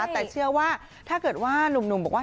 แต่เชื่อว่าถ้าเกิดว่านุ่มบอกว่า